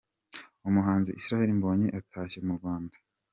Umuhanzi Israel Mbonyi atashye mu Rwanda.